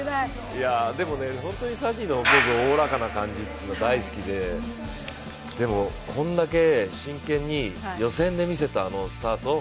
でもサニのおおらかな感じは大好きで、でも、こんだけ真剣に予選で見せたあのスタート